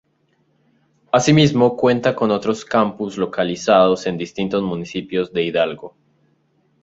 Así mismo cuenta con otros campus localizados en distintos municipios de Hidalgo.